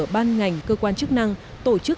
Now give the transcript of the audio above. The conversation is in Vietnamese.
ban ngành cơ quan chức năng tổ chức